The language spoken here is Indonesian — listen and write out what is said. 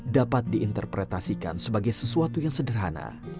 dapat diinterpretasikan sebagai sesuatu yang sederhana